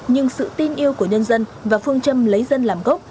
nhưng sự tin yêu của nhân dân và phương châm lấy dân làm gốc